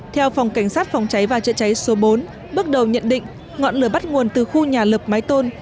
theo phòng cảnh sát phòng cháy và chữa cháy số bốn bước đầu nhận định ngọn lửa bắt nguồn từ khu nhà lập mái tôn